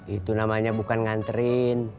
itu namanya bukan nganterin